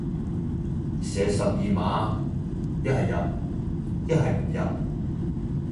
射十二碼，一係入，一係唔入